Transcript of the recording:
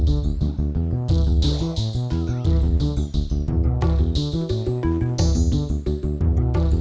orangnya enggak ada